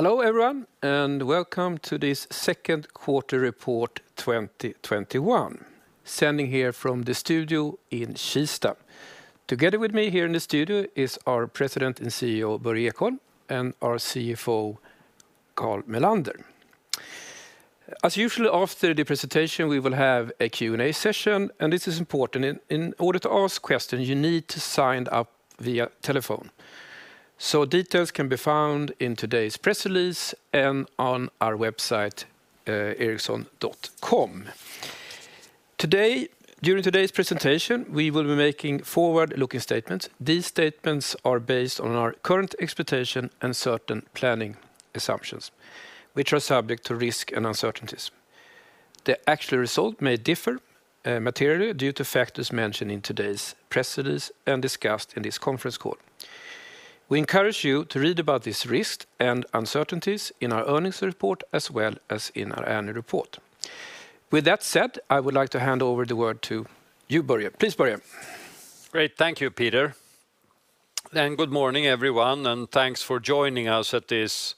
Hello, everyone, welcome to this second-quarter report 2021. Sending here from the studio in Kista. Together with me here in the studio is our President and CEO, Börje Ekholm, and our CFO, Carl Mellander. As usual, after the presentation, we will have a Q&A session, and this is important. In order to ask questions, you need to sign up via telephone. Details can be found in today's press release and on our website, ericsson.com. During today's presentation, we will be making forward-looking statements. These statements are based on our current expectations and certain planning assumptions, which are subject to risks and uncertainties. The actual results may differ materially due to factors mentioned in today's press release and discussed in this conference call. We encourage you to read about these risks and uncertainties in our earnings report, as well as in our annual report. With that said, I would like to hand over the word to you, Börje. Please, Börje. Great. Thank you, Peter. Good morning, everyone, and thanks for joining us at this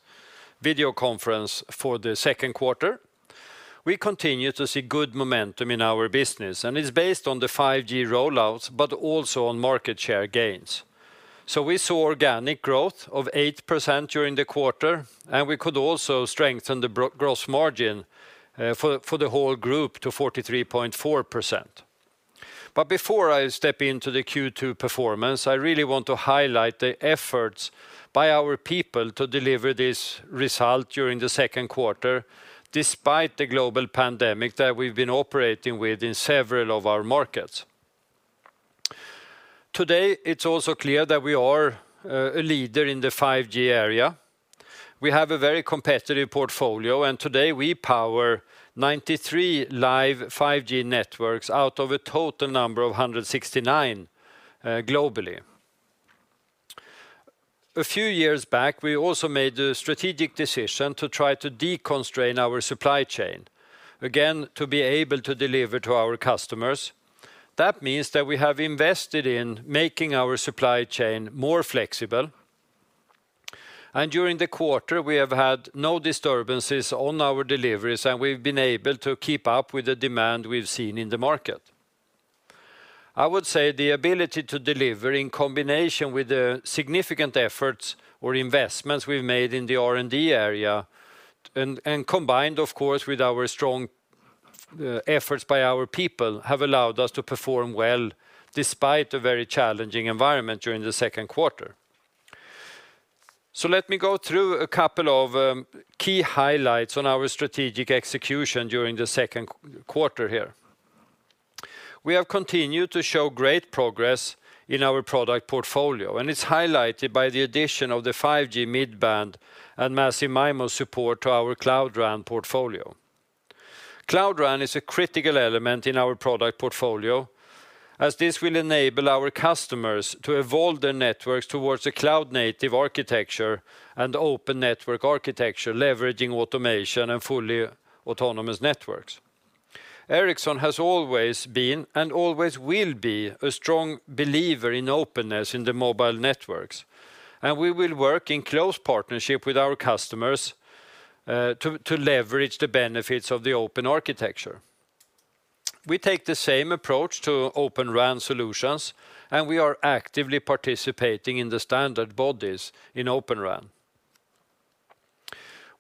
video conference for the second quarter. We continue to see good momentum in our business, and it's based on the 5G rollouts, but also on market share gains. We saw organic growth of 8% during the quarter, and we could also strengthen the gross margin for the whole group to 43.4%. Before I step into the Q2 performance, I really want to highlight the efforts by our people to deliver this result during the second quarter, despite the global pandemic that we've been operating with in several of our markets. Today, it's also clear that we are a leader in the 5G area. We have a very competitive portfolio, and today we power 93 live 5G networks out of a total number of 169 globally. A few years back, we also made the strategic decision to try to de-constrain our supply chain, again, to be able to deliver to our customers. That means that we have invested in making our supply chain more flexible. During the quarter, we have had no disturbances in our deliveries, and we've been able to keep up with the demand we've seen in the market. I would say the ability to deliver in combination with the significant efforts or investments we've made in the R&D area, and combined, of course, with our strong efforts by our people, have allowed us to perform well despite a very challenging environment during the second quarter. Let me go through a couple of key highlights on our strategic execution during the second quarter here. We have continued to show great progress in our product portfolio, and it's highlighted by the addition of 5G mid-band and Massive MIMO support to our Cloud RAN portfolio. Cloud RAN is a critical element in our product portfolio, as this will enable our customers to evolve their networks toward a cloud-native architecture and open network architecture, leveraging automation and fully autonomous networks. Ericsson has always been and always will be a strong believer in openness in mobile networks, and we will work in close partnership with our customers to leverage the benefits of the open architecture. We take the same approach to Open RAN solutions, and we are actively participating in the standard bodies in Open RAN.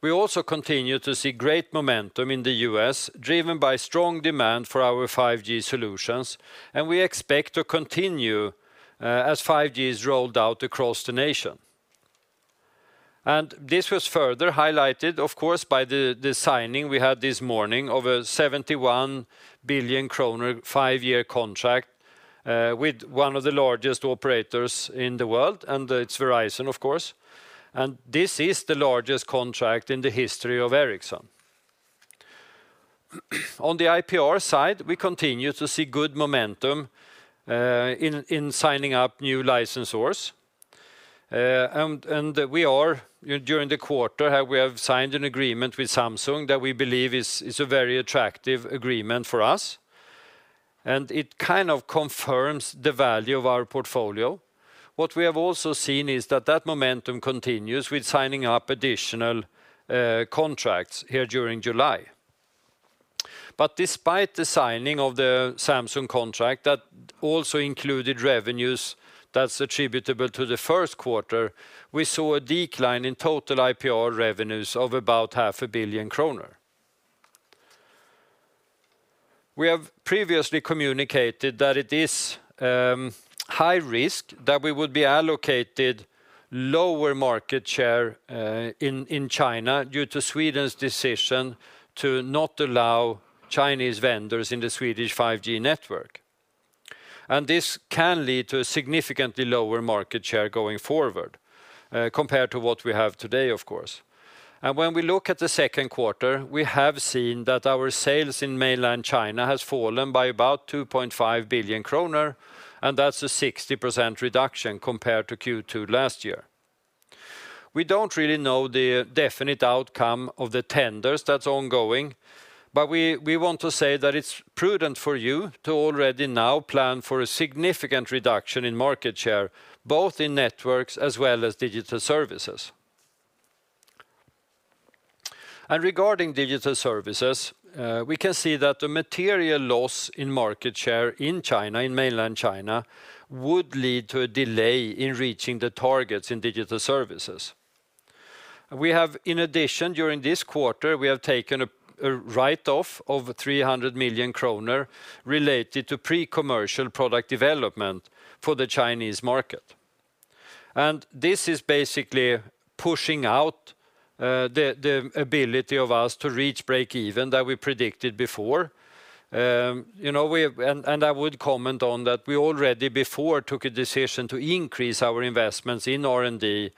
We also continue to see great momentum in the U.S., driven by strong demand for our 5G solutions. We expect this to continue as 5G is rolled out across the nation. This was further highlighted, of course, by the signing we had this morning of a 71 billion kronor five-year contract with one of the largest operators in the world, and it's Verizon, of course. This is the largest contract in the history of Ericsson. On the IPR side, we continue to see good momentum in signing up new licensors. During the quarter, we signed an agreement with Samsung that we believe is a very attractive agreement for us, and it confirms the value of our portfolio. What we have also seen is that momentum continues with signing additional contracts here during July. Despite the signing of the Samsung contract, which also included revenues attributable to the first quarter, we saw a decline in total IPR revenues of about half a billion kroner. We have previously communicated that there was a high risk that we would be allocated a lower market share in China due to Sweden's decision not to allow Chinese vendors in the Swedish 5G network. This can, of course, lead to a significantly lower market share going forward compared to what we have today. When we look at the second quarter, we have seen that our sales in mainland China have fallen by about 2.5 billion kronor, which is a 60% reduction compared to Q2 last year. We don't really know the definite outcome of the tenders that are ongoing. We want to say that it's prudent for you to already plan for a significant reduction in market share, both in Networks and Digital Services. Regarding Digital Services, we can see that the material loss in market share in mainland China would lead to a delay in reaching the targets in Digital Services. In addition, during this quarter, we have taken a write-off of 300 million kronor related to pre-commercial product development for the Chinese market. This is basically pushing out our ability to reach break-even, which we predicted before. I would comment on that. We had already decided to increase our investments in R&D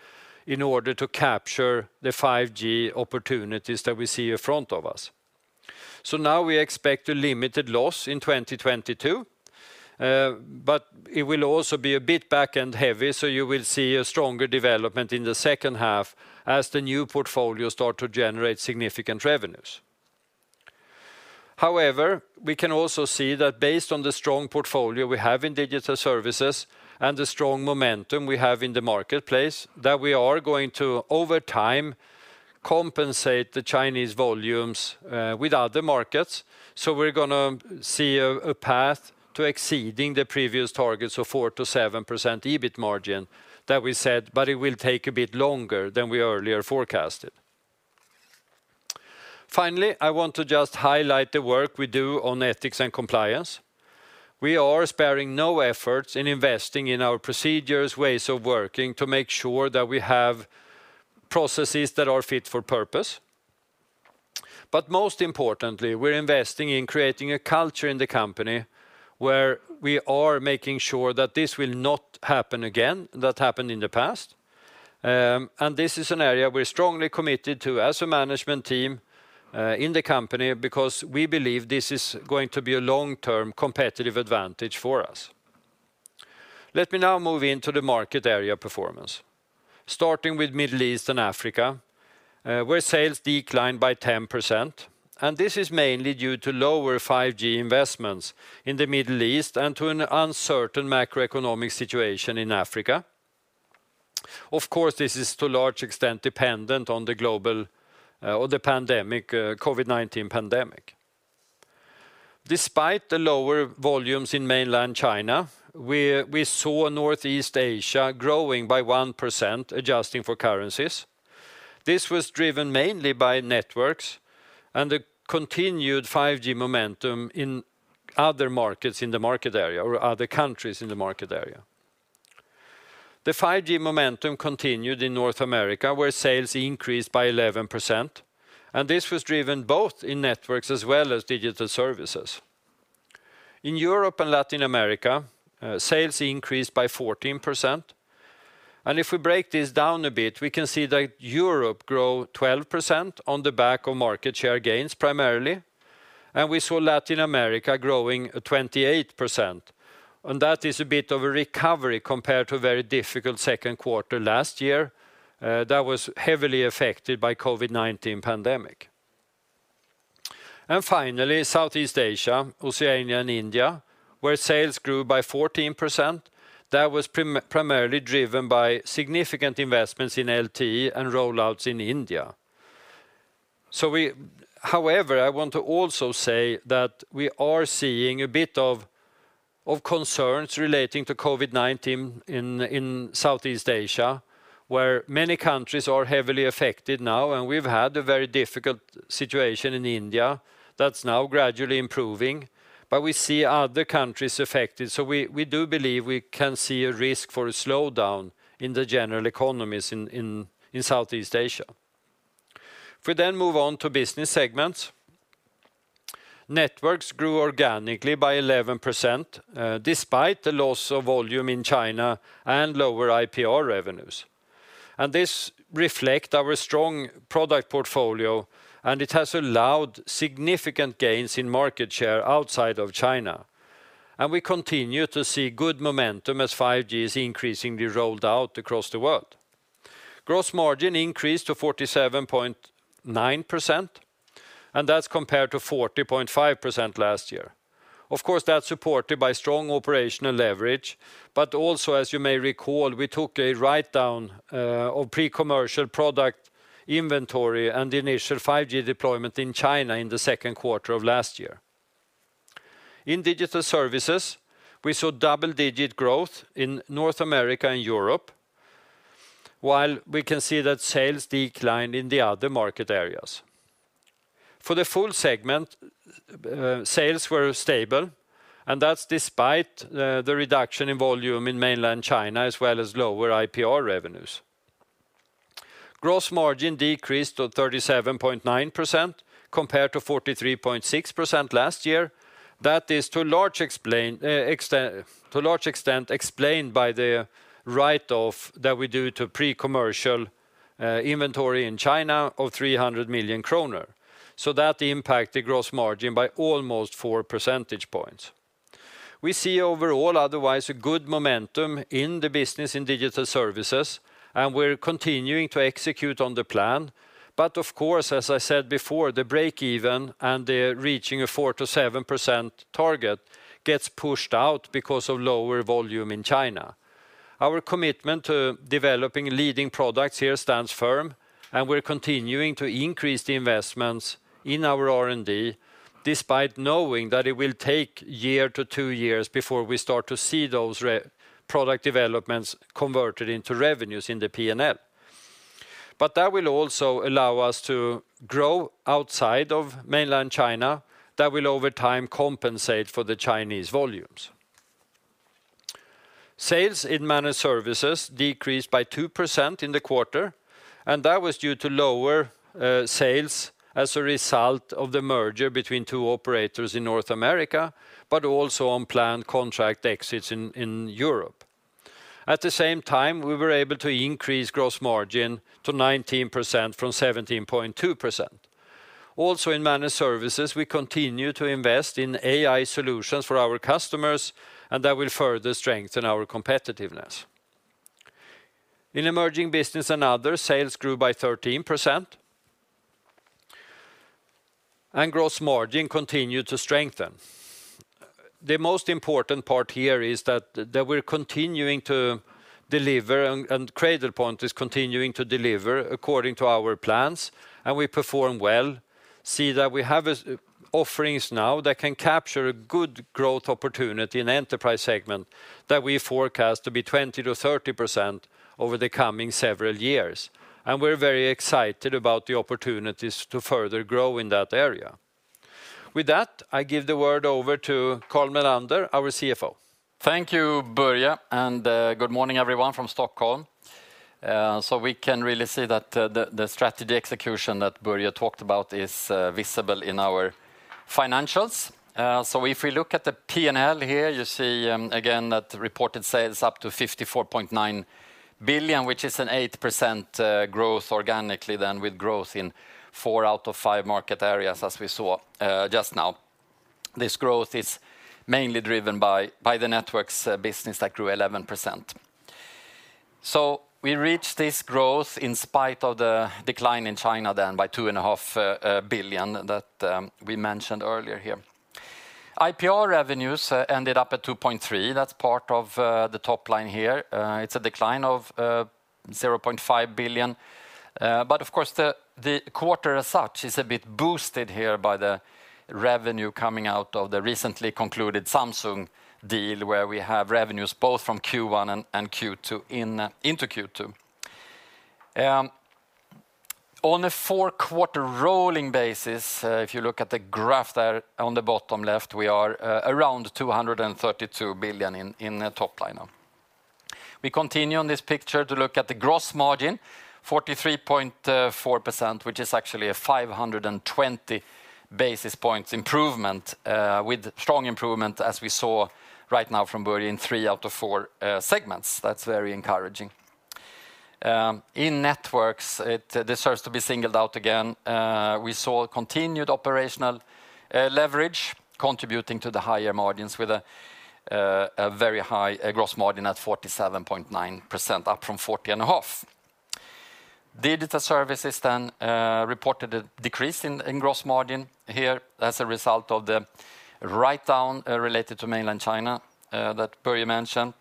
in order to capture the 5G opportunities that we see in front of us. Now we expect a limited loss in 2022, but it will also be a bit back-end heavy. You will see stronger development in the second half as the new portfolio starts to generate significant revenues. However, we can also see that based on the strong portfolio we have in Digital Services and the strong momentum we have in the marketplace, we are going to, over time, compensate the Chinese volumes with other markets. We're going to see a path to exceeding the previous targets of 4%-7% EBIT margin that we set. It will take a bit longer than we earlier forecasted. Finally, I want to just highlight the work we do on ethics and compliance. We are sparing no effort in investing in our procedures, ways of working to make sure that we have processes that are fit for purpose. Most importantly, we're investing in creating a company culture where we are making sure that what happened in the past will not happen again. This is an area we're strongly committed to as a management team because we believe this is going to be a long-term competitive advantage for us. Let me now move into the market area performance. Starting with Middle East and Africa, sales declined by 10%. This is mainly due to lower 5G investments in the Middle East and an uncertain macroeconomic situation in Africa. Of course, this is to a large extent dependent on the COVID-19 pandemic. Despite the lower volumes in mainland China, we saw Northeast Asia growing by 1%, adjusting for currencies. This was driven mainly by Networks and the continued 5G momentum in other markets within the market area or other countries in the market area. The 5G momentum continued in North America, where sales increased by 11%. This was driven by both Networks and Digital Services. In Europe and Latin America, sales increased by 14%. If we break this down a bit, we can see that Europe grew 12% primarily due to market share gains, and we saw Latin America growing at 28%. That is a bit of a recovery compared to a very difficult second quarter last year that was heavily affected by the COVID-19 pandemic. Finally, in Southeast Asia, Oceania, and India, sales grew by 14%. That was primarily driven by significant investments in LTE and rollouts in India. I also want to say that we are seeing some concerns relating to COVID-19 in Southeast Asia, where many countries are heavily affected now, and we've had a very difficult situation in India that's now gradually improving, but we see other countries affected. We do believe we could see a risk of a slowdown in the general economies in Southeast Asia. If we then move on to business segments, Networks grew organically by 11%, despite the loss of volume in China and lower IPR revenues. This reflects our strong product portfolio, and it has allowed significant gains in market share outside of China. We continue to see good momentum as 5G is increasingly rolled out across the world. Gross margin increased to 47.9%, compared to 40.5% last year. Of course, that's supported by strong operational leverage. Also, as you may recall, we took a write-down of pre-commercial product inventory and initial 5G deployment in China in the second quarter of last year. In Digital Services, we saw double-digit growth in North America and Europe, while we can see that sales declined in the other market areas. For the full segment, sales were stable, and that's despite the reduction in volume in mainland China, as well as lower IPR revenues. Gross margin decreased to 37.9%, compared to 43.6% last year. That is to a large extent explained by the write-off that we did to pre-commercial inventory in China of 300 million kronor. That impacted gross margin by almost 4 percentage points. We see overall otherwise good momentum in the business in Digital Services, and we're continuing to execute on the plan. Of course, as I said before, the break-even point and the reaching of a 4%-7% target get pushed out because of lower volume in China. Our commitment to developing leading products here stands firm, and we're continuing to increase our investments in R&D, despite knowing that it will take one to two years before we start to see those product developments converted into revenues in the P&L. That will also allow us to grow outside of mainland China, which will, over time, compensate for the Chinese volumes. Sales in Managed Services decreased by 2% in the quarter, and that was due to lower sales as a result of the merger between two operators in North America, but also to planned contract exits in Europe. At the same time, we were able to increase gross margin to 19% from 17.2%. In Managed Services, we continue to invest in AI solutions for our customers, and that will further strengthen our competitiveness. In Emerging Business and Other, sales grew by 13%, and gross margin continued to strengthen. The most important part here is that we're continuing to deliver, and Cradlepoint is continuing to deliver according to our plans, and we perform well. We see that we now have offerings that can capture a good growth opportunity in the enterprise segment, which we forecast to grow by 20%-30% over the coming several years. We're very excited about the opportunities to further grow in that area. With that, I hand the floor over to Carl Mellander, our CFO. Thank you, Börje, and good morning, everyone, from Stockholm. We can really see that the strategy execution that Börje talked about is visible in our financials. If we look at the P&L here, you see again that reported sales are up to 54.9 billion, which is an 8% growth organically, with growth in four out of five market areas, as we saw just now. This growth is mainly driven by the Networks business that grew 11%. We reached this growth in spite of the decline in China by 2.5 billion that we mentioned earlier. IPR revenues ended up at 2.3 billion. That's part of the top line here. It's a decline of 0.5 billion. Of course, the quarter as such is a bit boosted here by the revenue coming out of the recently concluded Samsung deal, where we have revenues from both Q1 and Q2 included in Q2. On a four-quarter rolling basis, if you look at the graph on the bottom left, we are now around 232 billion in top line. We continue on this picture to look at the gross margin, 43.4%, which is actually a 520 basis points improvement with strong improvement, as we saw right now from Börje, in 3 out of 4 segments. That's very encouraging. In Networks, it deserves to be singled out again. We saw continued operational leverage contributing to the higher margins with a very high gross margin at 47.9%, up from 40.5%. Digital Services reported a decrease in gross margin as a result of the write-down related to mainland China that Börje mentioned.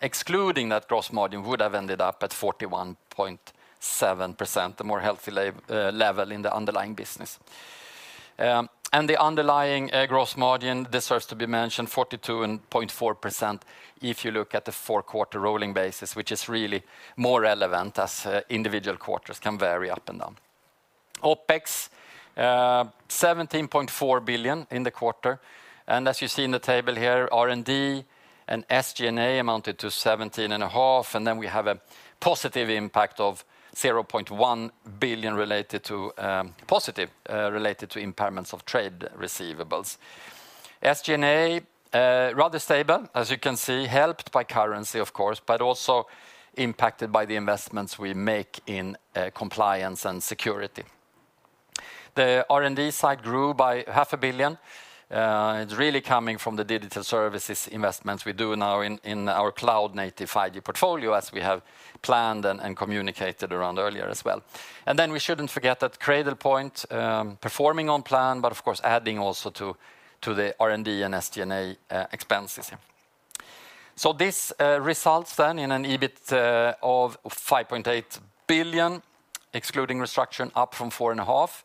Excluding that, gross margin would have ended up at 41.7%, a healthier level in the underlying business. The underlying gross margin deserves to be mentioned: 42.4% if you look at the four-quarter rolling basis, which is really more relevant as individual quarters can vary up and down. OPEX was 17.4 billion in the quarter. As you see in the table, R&D and SG&A amounted to 17.5 billion. Then we have a positive impact of 0.1 billion related to impairments of trade receivables. SG&A was rather stable, as you can see, helped by currency, of course, but also impacted by the investments we make in compliance and security. The R&D side grew by SEK half a billion. It's really coming from the Digital Services investments we do now in our cloud-native 5G portfolio, as we have planned and communicated earlier as well. We shouldn't forget that Cradlepoint is performing on plan, but of course, also adding to the R&D and SG&A expenses. This results in an EBIT of 5.8 billion, excluding restructuring and up from four and a half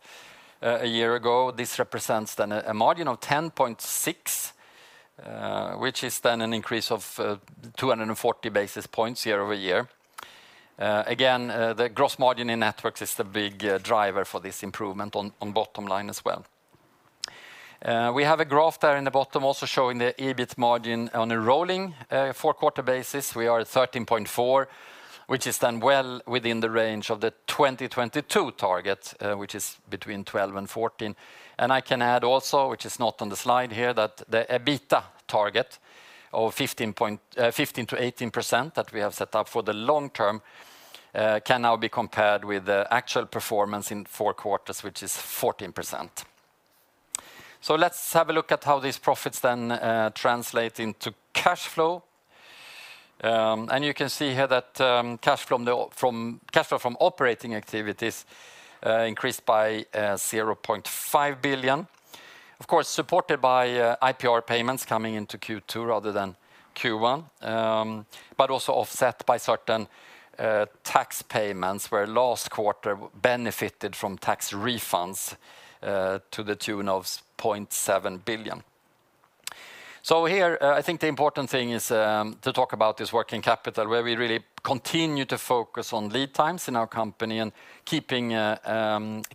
a year ago. This represents a margin of 10.6%, which is an increase of 240 basis points year-over-year. Again, the gross margin in Networks is the big driver for this improvement on the bottom line as well. We have a graph there at the bottom also showing the EBIT margin on a rolling four-quarter basis. We are at 13.4%, which is well within the range of the 2022 target, which is between 12% and 14%. I can also add, which is not on the slide here, that the EBITDA target of 15%-18% that we have set for the long term can now be compared with the actual performance in four quarters, which is 14%. Let's look at how these profits then translate into cash flow. You can see here that cash flow from operating activities increased by 0.5 billion, of course, supported by IPR payments coming into Q2 rather than Q1, but also offset by certain tax payments where last quarter benefited from tax refunds to the tune of 0.7 billion. Here, I think the important thing is to talk about this working capital, where we really continue to focus on lead times and keeping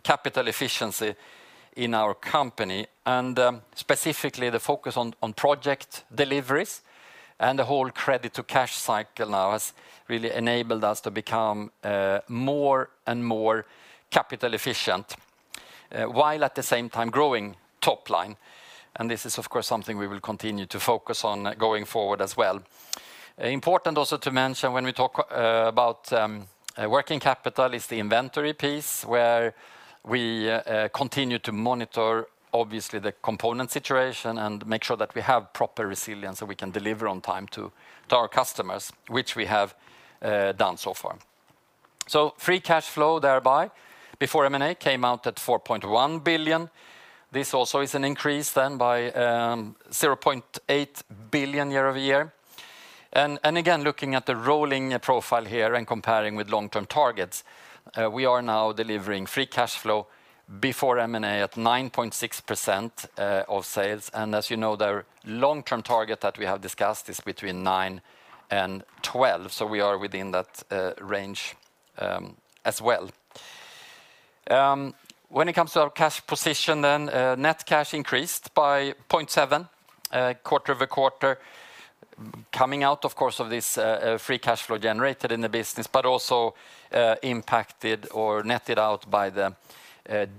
capital efficiency in our company. Specifically, the focus on project deliveries and the whole credit-to-cash cycle has really enabled us to become more and more capital efficient, while at the same time growing the top line. This is, of course, something we will continue to focus on going forward as well. It's also important to mention, when we talk about working capital, the inventory piece, where we continue to monitor, obviously, the component situation and make sure that we have proper resilience so we can deliver on time to our customers, which we have done so far. Free cash flow thereby, before M&A, came out at 4.1 billion. This is also an increase of 0.8 billion year-over-year. Again, looking at the rolling profile here and comparing with long-term targets, we are now delivering free cash flow before M&A at 9.6% of sales. As you know, the long-term target that we have discussed is between nine and 12. We are within that range as well. When it comes to our cash position, net cash increased by 0.7 quarter-over-quarter, coming, of course, from the free cash flow generated in the business, but also impacted or netted out by the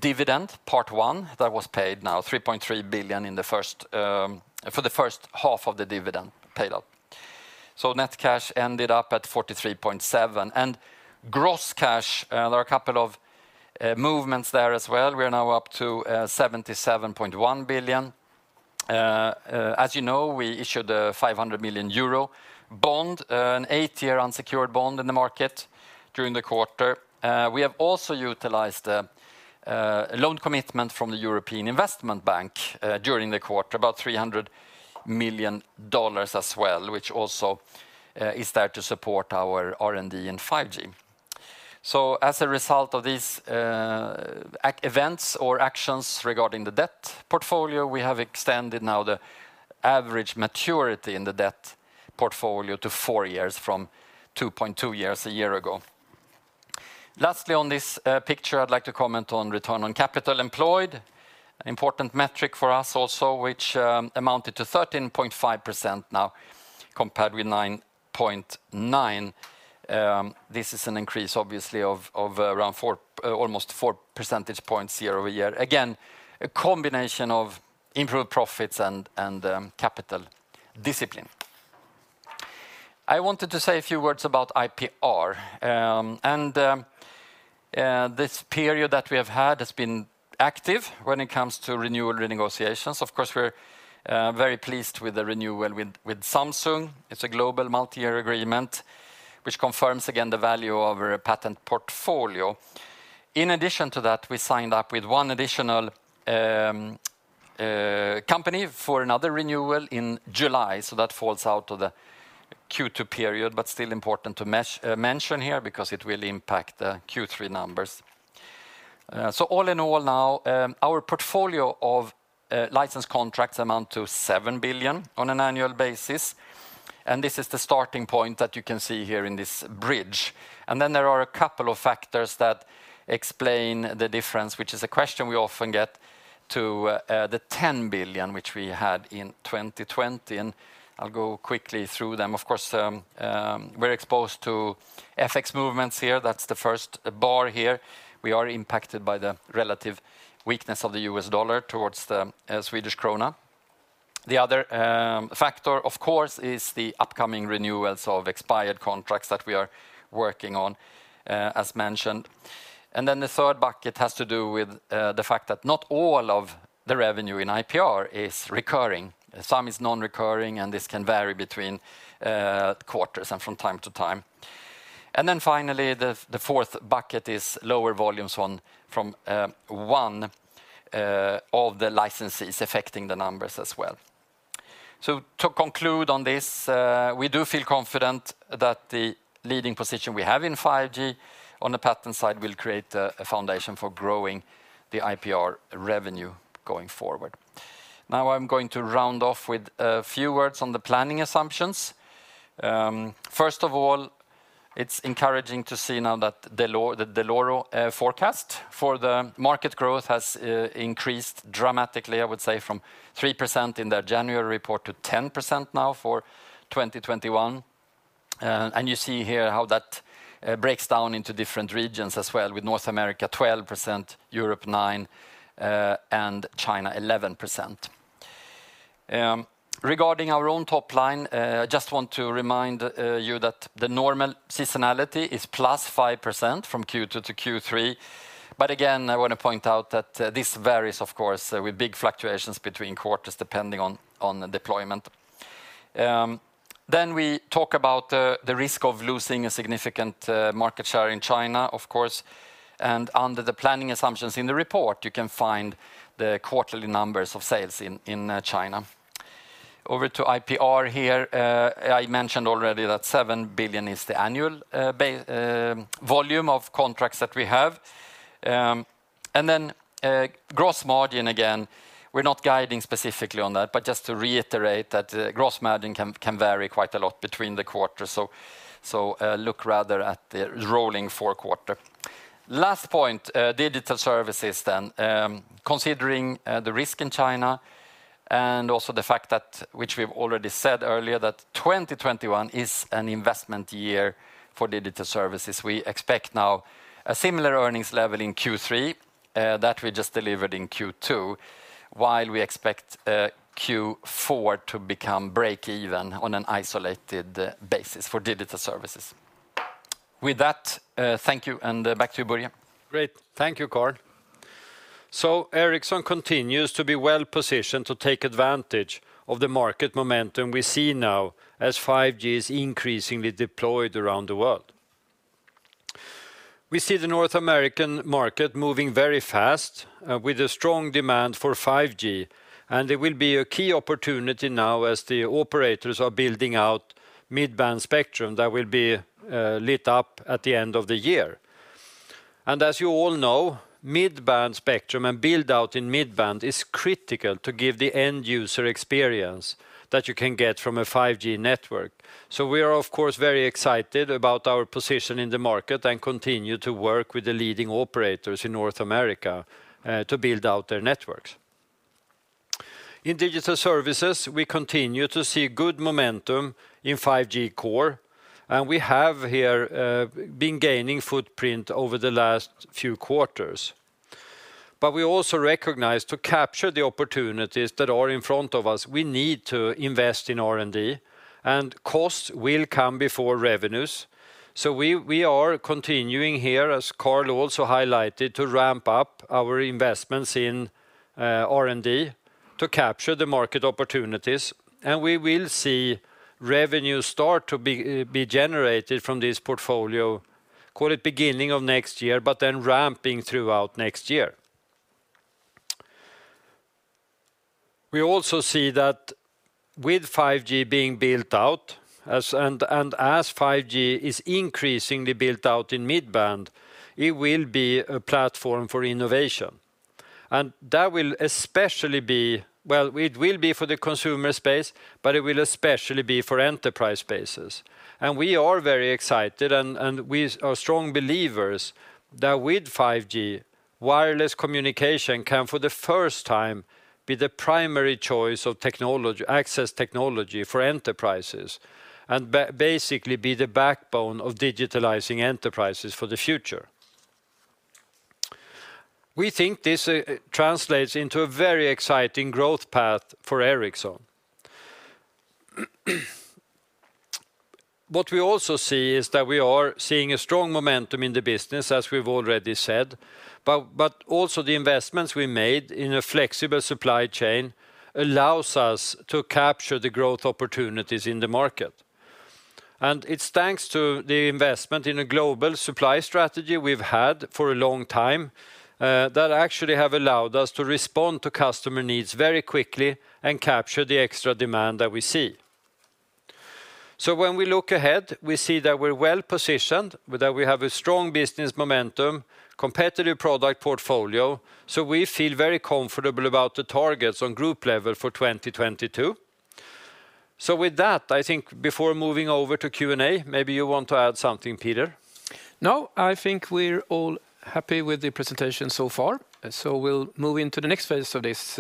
dividend, part one, that was paid now, 3.3 billion for the first half of the dividend payout. Net cash ended up at 43.7. Gross cash also had a couple of movements. We are now up to 77.1 billion. As you know, we issued a 500 million euro, eight-year unsecured bond in the market during the quarter. We also utilized a loan commitment from the European Investment Bank during the quarter, about $300 million, which is also there to support our R&D in 5G. As a result of these events or actions regarding the debt portfolio, we have now extended the average maturity in the debt portfolio to four years from 2.2 years a year ago. Lastly, on this picture, I'd like to comment on return on capital employed, an important metric for us, which amounted to 13.5% now, compared with 9.9%. This is an increase, obviously, of almost four percentage points year-over-year. Again, a combination of improved profits and capital discipline. I wanted to say a few words about IPR. This period that we have had has been active when it comes to renewal renegotiations. Of course, we're very pleased with the renewal with Samsung. It's a global multi-year agreement, which again confirms the value of a patent portfolio. In addition to that, we signed up with one additional company for another renewal in July. That falls outside of the Q2 period, but is still important to mention here because it will impact the Q3 numbers. All in all now, our portfolio of license contracts amounts to 7 billion on an annual basis. This is the starting point that you can see here in this bridge. Then there are a couple of factors that explain the difference, which is a question we often get, to the 10 billion that we had in 2020, and I'll go quickly through them. Of course, we're exposed to FX movements here. That's the first bar here. We are impacted by the relative weakness of the US dollar against the Swedish krona. The other factor, of course, is the upcoming renewals of expired contracts that we are working on, as mentioned. The third bucket has to do with the fact that not all of the revenue in IPR is recurring. Some is non-recurring, and this can vary between quarters and from time to time. Finally, the fourth bucket is lower volumes from one of the licenses affecting the numbers as well. To conclude, we do feel confident that the leading position we have in 5G on the patent side will create a foundation for growing the IPR revenue going forward. I'm going to round off with a few words on the planning assumptions. First of all, it's encouraging to see that the Dell'Oro forecast for market growth has increased dramatically, I would say, from 3% in their January report to 10% now for 2021. You see here how that breaks down into different regions as well, with North America at 12%, Europe at 9%, and China at 11%. Regarding our own top line, I just want to remind you that the normal seasonality is +5% from Q2 to Q3. Again, I want to point out that this varies, of course, with big fluctuations between quarters, depending on the deployment. We talk about the risk of losing a significant market share in China, of course. Under the planning assumptions in the report, you can find the quarterly numbers of sales in China. Over to IPR here. I already mentioned that 7 billion is the annual volume of contracts that we have. Gross margin, again, we're not guiding specifically on that, but just to reiterate that gross margin can vary quite a lot between quarters. Look rather at the rolling four-quarter. Last point, Digital Services. Considering the risk in China and also the fact that, which we've already said earlier, 2021 is an investment year for Digital Services, we now expect a similar earnings level in Q3 to that which we just delivered in Q2, while we expect Q4 to become break even on an isolated basis for Digital Services. With that, thank you, and back to you, Börje. Great. Thank you, Carl. Ericsson continues to be well-positioned to take advantage of the market momentum we see now as 5G is increasingly deployed around the world. We see the North American market moving very fast with a strong demand for 5G, and it will be a key opportunity now as the operators are building out mid-band spectrum that will be lit up at the end of the year. As you all know, mid-band spectrum and build-out in mid-band is critical to give the end-user experience that you can get from a 5G network. We are, of course, very excited about our position in the market and continue to work with the leading operators in North America to build out their networks. In Digital Services, we continue to see good momentum in 5G core, and we have here been gaining a footprint over the last few quarters. We also recognize that to capture the opportunities in front of us, we need to invest in R&D, and costs will come before revenues. We are continuing here, as Carl also highlighted, to ramp up our investments in R&D to capture the market opportunities. We will see revenue start to be generated from this portfolio, let's say beginning of next year, but then ramping throughout next year. We also see that with 5G being built out and as 5G is increasingly built out in mid-band, it will be a platform for innovation. That will especially be true for the consumer space, but it will especially be for enterprise spaces. We are very excited and we are strong believers that with 5G, wireless communication can, for the first time, be the primary choice of access technology for enterprises, and basically be the backbone of digitalizing enterprises for the future. We think this translates into a very exciting growth path for Ericsson. What we also see is that we are seeing strong momentum in the business, as we've already said, but also the investments we made in a flexible supply chain allow us to capture the growth opportunities in the market. It's thanks to the investment in a global supply strategy we've had for a long time that has actually allowed us to respond to customer needs very quickly and capture the extra demand that we see. When we look ahead, we see that we're well-positioned, that we have strong business momentum, and a competitive product portfolio. We feel very comfortable about the targets at the group level for 2022. With that, I think before moving over to Q&A, maybe you want to add something, Peter? No, I think we're all happy with the presentation so far. We'll move into the next phase of this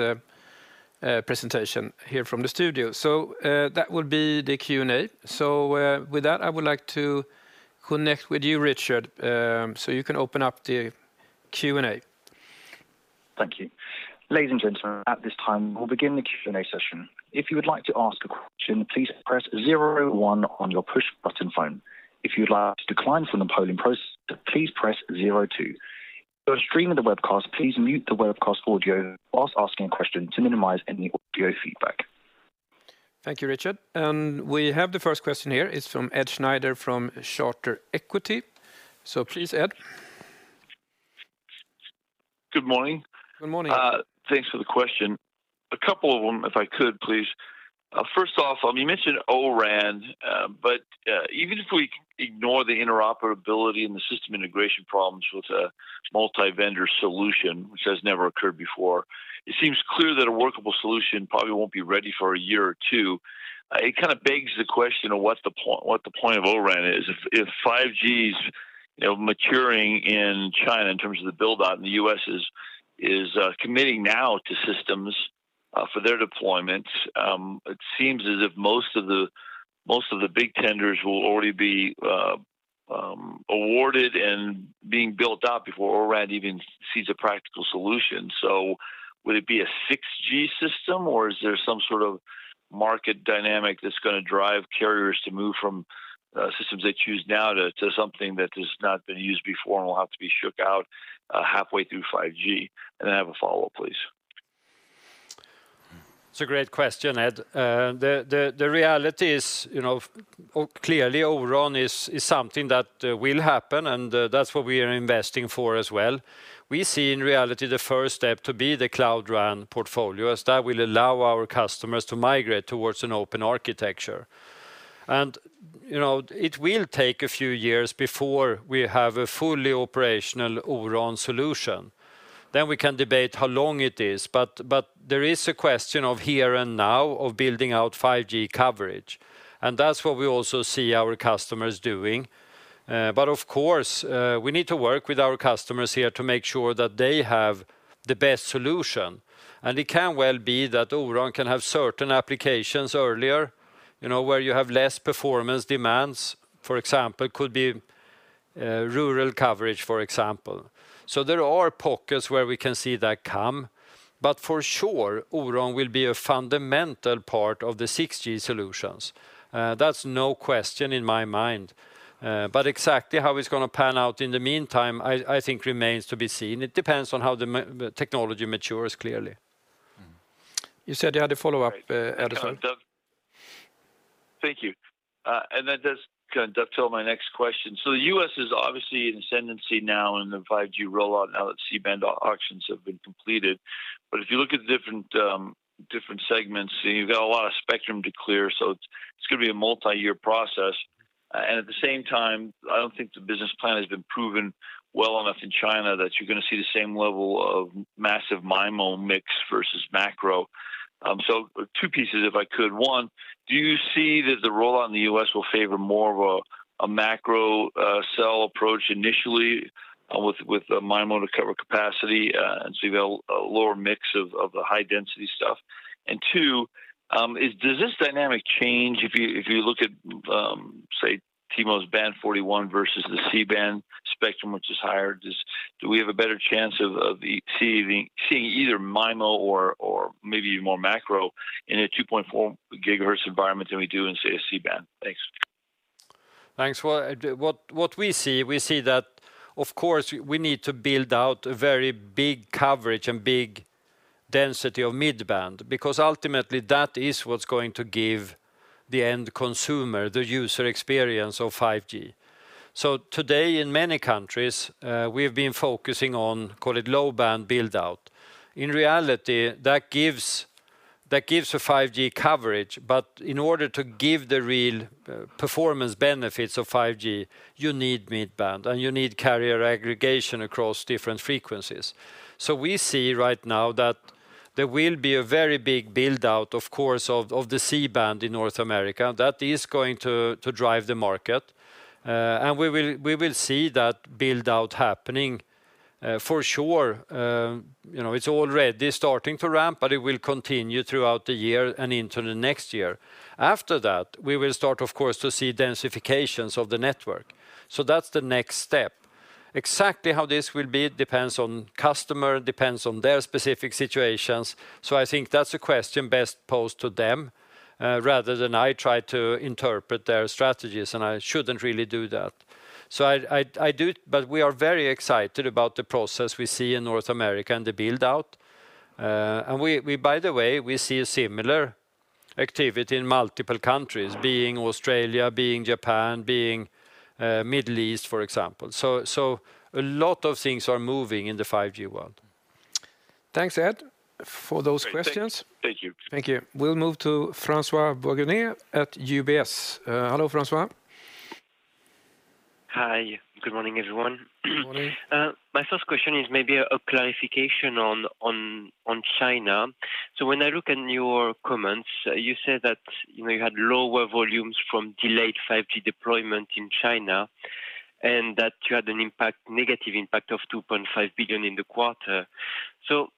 presentation here from the studio. That will be the Q&A. With that, I would like to connect with you, Richard, so you can open up the Q&A. Thank you. Ladies and gentlemen, at this time, we will begin the Q&A session. If you would like to ask a question, please press 01 on your push-button phone. If you would like to decline from the polling process, please press 02. For the stream of the webcast, please mute the webcast audio while asking a question to minimize any audio feedback. Thank you, Richard. We have the first question here. It's from Edward Snyder from Charter Equity. Please, Edward. Good morning. Good morning. Thanks for the question. A couple of them, if I could, please. First off, you mentioned O-RAN. Even if we ignore the interoperability and system integration problems with a multi-vendor solution, which has never occurred before, it seems clear that a workable solution probably won't be ready for a year or two. It kind of begs the question of what the point of O-RAN is. If 5G is maturing in China in terms of the build-out, and the U.S. is committing now to systems for their deployments, it seems as if most of the big tenders will already be awarded and being built out before O-RAN even sees a practical solution. Would it be a 6G system, or is there some sort of market dynamic that's going to drive carriers to move from systems they use now to something that has not been used before and will have to be shaken out halfway through 5G? I have a follow-up, please. It's a great question, Ed. The reality is, clearly O-RAN is something that will happen, and that's what we are investing in as well. We see in reality the first step to be the Cloud RAN portfolio, as that will allow our customers to migrate towards an open architecture. It will take a few years before we have a fully operational O-RAN solution. We can debate how long it will take, but there is a question of here and now, of building out 5G coverage. That's what we also see our customers doing. Of course, we need to work with our customers here to make sure that they have the best solution. It could well be that O-RAN can have certain applications earlier, where you have fewer performance demands. For example, it could be rural coverage. There are pockets where we can see that coming. For sure, O-RAN will be a fundamental part of the 6G solutions. That's no question in my mind. Exactly how it's going to pan out in the meantime, I think, remains to be seen. It depends on how the technology matures, clearly. You said you had a follow-up, Ed, I think. Thank you. That does kind of dovetail with my next question. The U.S. is obviously in the ascendancy now in the 5G rollout, now that C-band auctions have been completed. If you look at the different segments, you've got a lot of spectrum to clear, so it's going to be a multi-year process. At the same time, I don't think the business plan has been proven well enough in China that you're going to see the same level of massive MIMO mix versus macro. Two pieces, if I could. One, do you see that the rollout in the U.S. will favor more of a macro cell approach initially with MIMO to cover capacity, and so you'll have a lower mix of the high-density stuff? Two, does this dynamic change if you look at, say, T-Mobile's Band 41 versus the C-band spectrum, which is higher? Do we have a better chance of seeing either MIMO or maybe even more macro in a 2.4 GHz environment than we do in, say, a C-band? Thanks. Thanks. What we see is that, of course, we need to build out a very big coverage and density of mid-band, because ultimately that is what's going to give the end consumer the user experience of 5G. Today, in many countries, we've been focusing on, call it, low-band build-out. In reality, that gives 5G coverage. In order to give the real performance benefits of 5G, you need mid-band, and you need carrier aggregation across different frequencies. We see right now that there will be a very big build-out, of course, of the C-band in North America. That is going to drive the market. We will see that build-out happening for sure. It's already starting to ramp; it will continue throughout the year and into the next year. After that, we will start, of course, to see densification of the network. That's the next step. Exactly how this will be depends on the customer, and their specific situations. I think that's a question best posed to them rather than me trying to interpret their strategies, and I shouldn't really do that. We are very excited about the process we see in North America and the build-out. By the way, we see similar activity in multiple countries, such as Australia, Japan, and the Middle East, for example. A lot of things are moving in the 5G world. Thanks, Ed, for those questions. Thank you. Thank you. We'll move to François-Xavier Bouvignies at UBS. Hello, Francois. Hi, good morning, everyone. Good morning. My first question is perhaps a clarification regarding China. When I look at your comments, you mentioned lower volumes due to delayed 5G deployment in China and a negative impact of 2.5 billion in the quarter.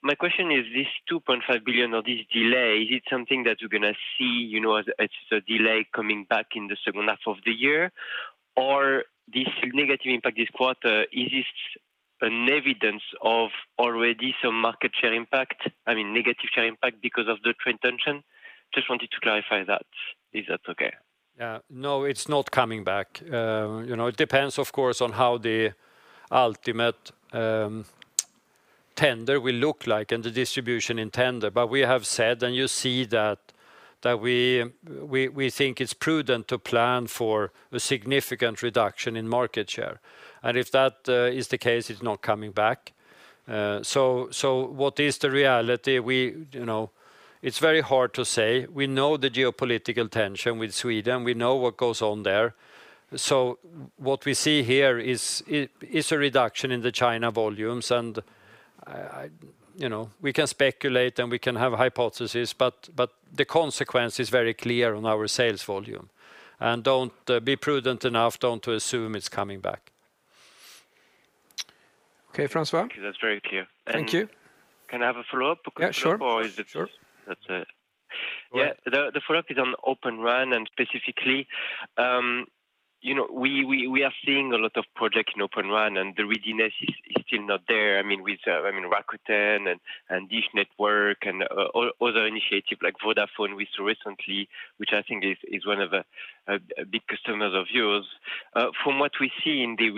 My question is whether this 2.5 billion delay is something you expect to recover in the second half of the year. Is this negative impact this quarter evidence of an existing market share impact—specifically, a negative share impact—because of trade tensions? I just wanted to clarify that, if that's okay. Yeah. No, it's not coming back. It depends, of course, on what the ultimate tender will look like and the distribution in the tender. We have said, and you see that we think it's prudent to plan for a significant reduction in market share. If that is the case, it's not coming back. What is the reality? It's very hard to say. We know the geopolitical tension with Sweden. We know what goes on there. What we see here is a reduction in the China volumes. We can speculate and we can have hypotheses, but the consequence is very clear on our sales volume. Be prudent enough; don't assume it's coming back. Okay, Francois. Okay. That's very clear. Thank you. Can I have a follow-up question? Yeah, sure. The follow-up is on Open RAN. Specifically, we are seeing a lot of projects in Open RAN, and the readiness is still not there. With Rakuten and Dish Network and other initiatives like Vodafone, which I think is one of your big customers, we saw recently, from what we see in the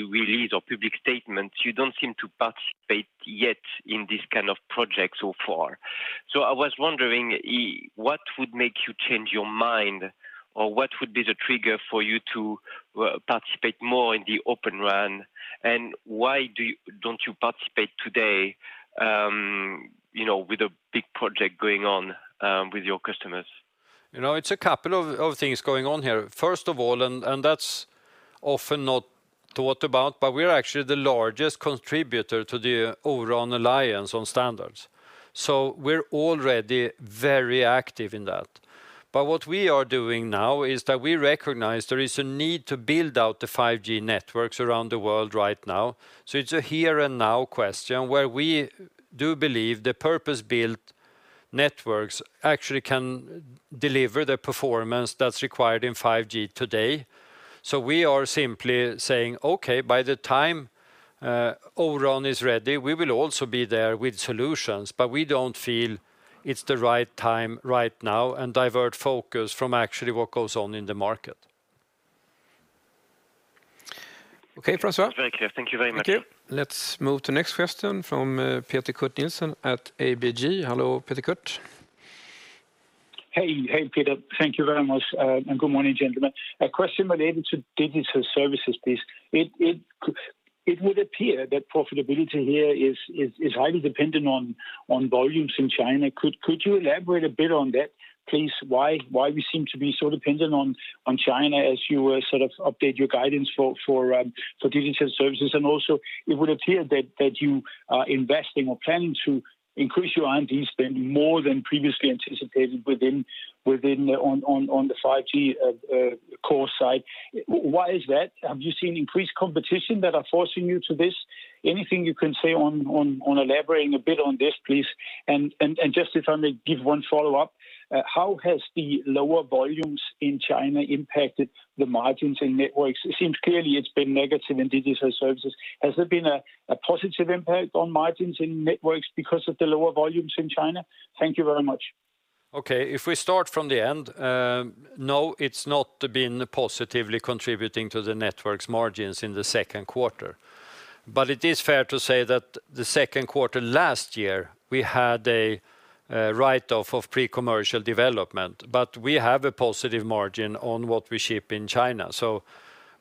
release of public statements, you don't seem to participate yet in this kind of project so far. I was wondering, what would make you change your mind, or what would be the trigger for you to participate more in Open RAN? Why don't you participate today with a big project going on with your customers? A couple of things are going on here. First of all, and this is often not thought about, but we're actually the largest contributor to the O-RAN ALLIANCE on standards. We're already very active in that. What we are doing now is recognizing that there's a need to build out 5G networks around the world right now. It's a here-and-now question where we believe the purpose-built networks can actually deliver the performance required in 5G today. We are simply saying, "Okay, by the time O-RAN is ready, we will also be there with solutions." We don't feel it's the right time right now to divert focus from what's actually happening in the market. Okay, François. That's very clear. Thank you very much. Thank you. Let's move to the next question from Peter Kurt Nielsen at ABG. Hello, Peter Kurt. Hey, Peter. Thank you very much and good morning, gentlemen. A question related to Digital Services, please. It would appear that profitability here is highly dependent on volumes in China. Could you elaborate a bit on that, please? Why do we seem to be so dependent on China as you update your guidance for Digital Services? Also, it would appear that you are investing or planning to increase your R&D spend more than previously anticipated on the 5G core side. Why is that? Have you seen increased competition that is forcing you to do this? Anything you can say to elaborate a bit on this, please? Just if I may, one follow-up: How have the lower volumes in China impacted the margins in Networks? It seems clear it's been negative in Digital Services. Has there been a positive impact on margins in Networks because of the lower volumes in China? Thank you very much. Okay. If we start from the end, no, it has not been positively contributing to the Network's margins in the second quarter. It is fair to say that in the second quarter last year, we had a write-off of pre-commercial development. We have a positive margin on what we ship in China.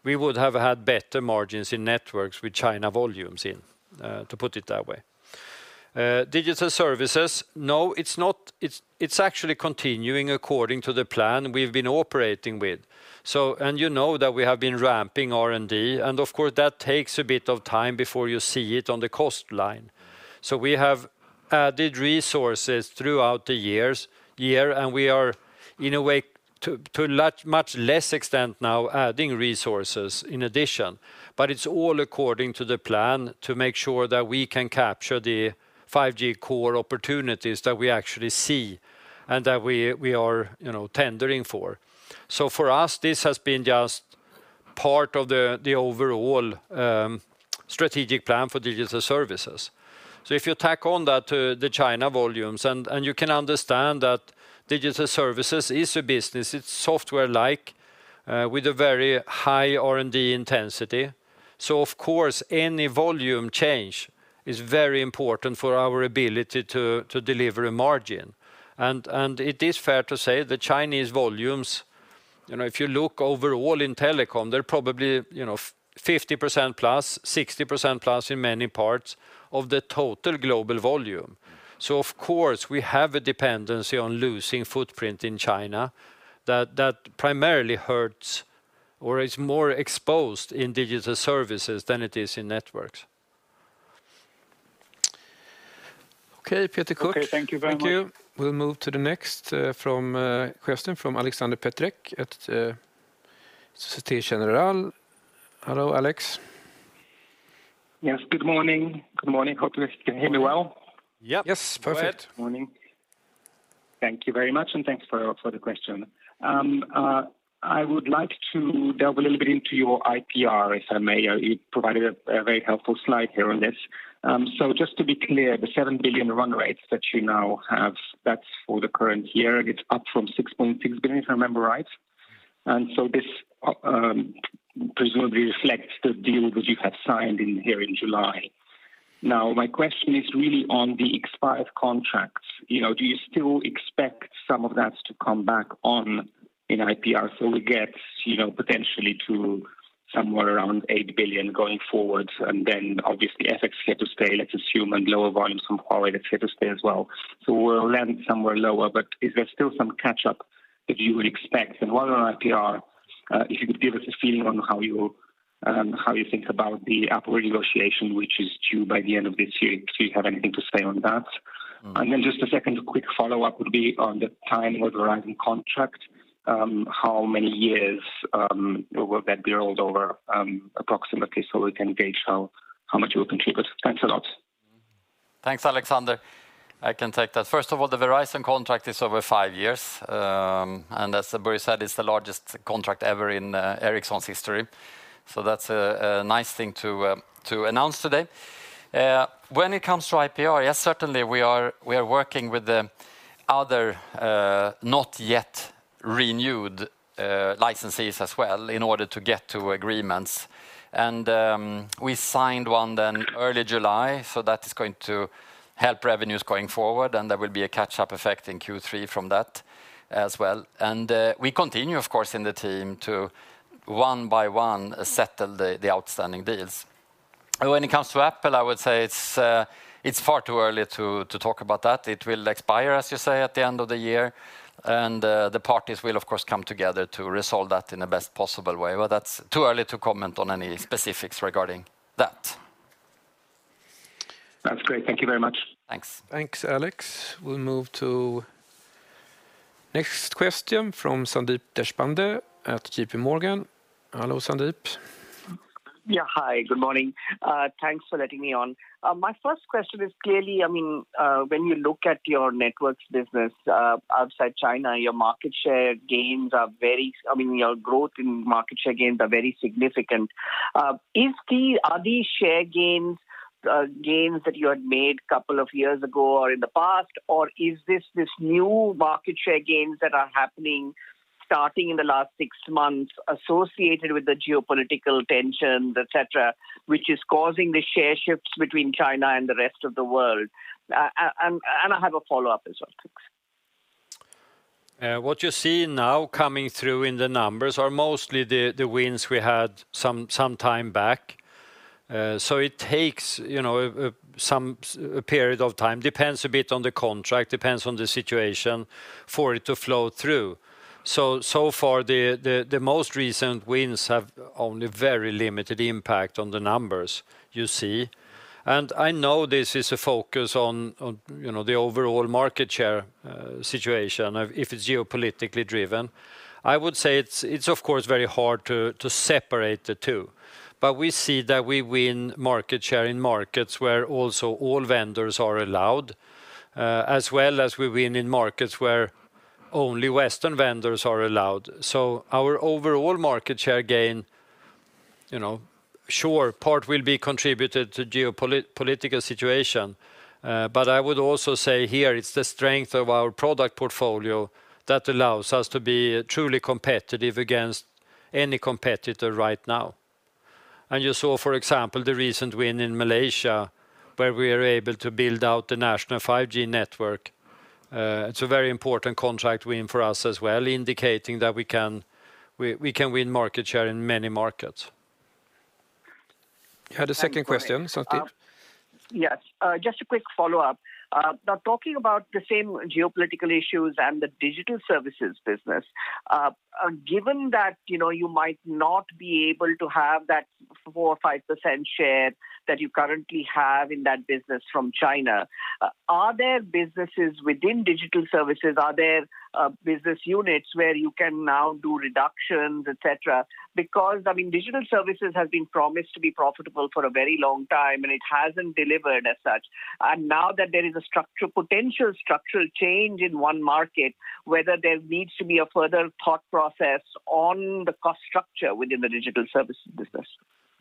We would have had better margins in Networks with China volumes, to put it that way. Digital Services, no, it's actually continuing according to the plan we've been operating with. You know that we have been ramping up R&D, and of course, that takes a bit of time before you see it on the cost line. We have added resources throughout the year, and we are, to a much lesser extent now, adding additional resources. It's all according to the plan to make sure that we can capture the 5G core opportunities that we actually see and that we are tendering for. For us, this has been just part of the overall strategic plan for Digital Services. If you tack that on to the China volumes, you can understand that Digital Services is a business. It's software-like with a very high R&D intensity. Of course, any volume change is very important for our ability to deliver a margin. It is fair to say the Chinese volumes, if you look overall in telecom, they're probably 50% plus, 60% plus in many parts of the total global volume. Of course, we have a dependency on losing footprint in China that primarily hurts or is more exposed in Digital Services than it is in Networks. Okay, Peter Kurt. Okay, thank you very much. Thank you. We'll move to the next question from Aleksander Peterc at Societe Generale. Hello, Alex. Yes, good morning. Hope you can hear me well. Yes. Yes. Perfect. Good morning. Thank you very much, and thanks for the question. I would like to delve a little bit into your IPR, if I may. You provided a very helpful slide on this. Just to be clear, the $7 billion run rate that you now have is for the current year, up from $6.6 billion, if I remember correctly. This presumably reflects the deal you signed in July. Now, my question is really about the expired contracts. Do you still expect some of that to come back in IPR so we potentially get to somewhere around $8 billion going forward? And then obviously, FX is here to stay, let's assume, and lower volumes from Huawei are here to stay as well. We'll land somewhere lower, but is there still some catch-up that you would expect? While on IPR, if you could give us a feeling on how you think about the Apple negotiation, which is due by the end of this year. Do you have anything to say on that? Then just a second quick follow-up would be on the Verizon contract. How many years will that build over approximately so we can gauge how much it will contribute? Thanks a lot. Thanks, Aleksander. I can take that. First of all, the Verizon contract is over five years. As Börje said, it's the largest contract ever in Ericsson's history. That's a nice thing to announce today. When it comes to IPR, yes, certainly, we are working with the other not yet renewed licensees as well in order to get to agreements. We signed one in early July, so that is going to help revenues going forward, and there will be a catch-up effect in Q3 from that as well. We continue, of course, in the team to one by one settle the outstanding deals. When it comes to Apple, I would say it's far too early to talk about that. It will expire, as you say, at the end of the year. The parties will, of course, come together to resolve that in the best possible way. That's too early to comment on any specifics regarding that. That's great. Thank you very much. Thanks. Thanks, Alex. We'll move to the next question from Sandeep Deshpande at JP Morgan. Hello, Sandeep. Yeah. Hi. Good morning. Thanks for letting me on. My first question is, clearly, when you look at your Networks business outside China, your growth and market share gains are very significant. Are these share gains that you made two years ago or in the past, or are these new market share gains that are happening starting in the last six months associated with the geopolitical tension, et cetera, which is causing the share shifts between China and the rest of the world? I have a follow-up as well. Thanks. What you see now coming through in the numbers are mostly the wins we had some time back. It takes some period of time, depending a bit on the contract and the situation, for it to flow through. So far, the most recent wins have only a very limited impact on the numbers you see. I know this is a focus on the overall market share situation, if it's geopolitically driven. I would say it's, of course, very hard to separate the two. We see that we win market share in markets where all vendors are allowed, as well as we win in markets where only Western vendors are allowed. Our overall market share gain, surely, part will be contributed to the geopolitical situation. I would also say here, it's the strength of our product portfolio that allows us to be truly competitive against any competitor right now. You saw, for example, the recent win in Malaysia, where we were able to build out the national 5G network. It's a very important contract win for us as well, indicating that we can win market share in many markets. You had a second question, Sandeep? Yes, just a quick follow-up. Talking about the same geopolitical issues and the Digital Services business, given that you might not be able to have that 4% or 5% share that you currently have in that business from China, are there businesses within Digital Services, are there business units where you can now do reductions, et cetera? Digital Services has been promised to be profitable for a very long time, and it hasn't delivered as such. Now that there is a potential structural change in one market, whether there needs to be a further thought process on the cost structure within the Digital Services business.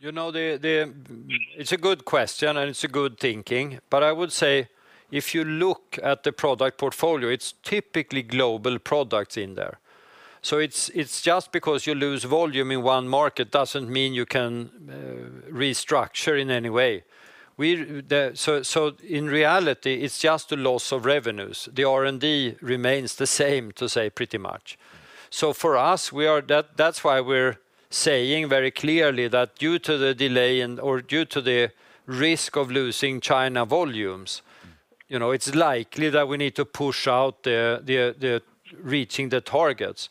It's a good question and good thinking. I would say if you look at the product portfolio, it typically contains global products. Just because you lose volume in one market doesn't mean you can restructure in any way. In reality, it's just a loss of revenue. The R&D remains pretty much the same. For us, that's why we're saying very clearly that due to the delay or the risk of losing China volumes, it's likely that we need to push out reaching the targets.